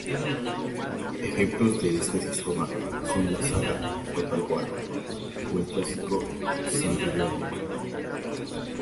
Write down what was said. Ejemplos de este sistema son la saga "Total War" o el clásico "Centurion".